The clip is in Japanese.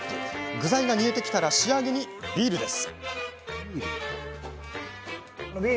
具材が煮えてきたら仕上げにビールです。